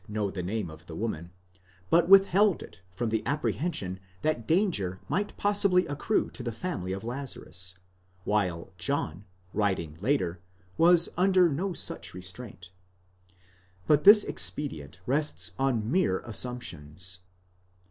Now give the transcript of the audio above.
know the name of the woman, but withheld it from the apprehension that danger might possibly accrue to the family of Lazarus, while John, writing later, was under no such restraint; but this expedient rests on mere assumptions.